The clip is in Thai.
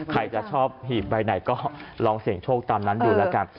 ใครจะชอบหีบใบไหนก็ลองเสี่ยงโชคตามนั้นดูแล้วกัน